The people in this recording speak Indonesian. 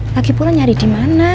lagipula nyari dimana